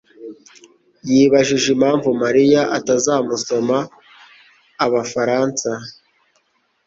yibajije impamvu Mariya atazamusoma Abafaransa.